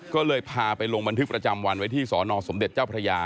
ก็เลยพาไปลงบันทึกประจำวันไว้ที่สอนอสมเด็จเจ้าพระยา